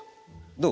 どう？